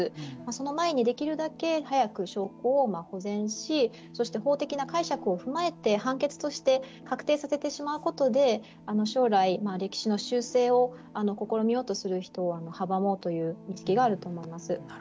その前に、できるだけ早く証拠を保全しそして法的な解釈を踏まえて判決として確定させてしまうことで将来、歴史の修正を試みようとする人を阻もうという意識があると思います。